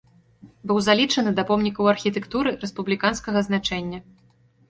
Быў залічаны да помнікаў архітэктуры рэспубліканскага значэння.